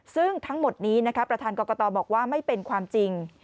ซึ่งทั้งหมดนี้ประธานกรกตบอกว่าไม่เป็นความจริง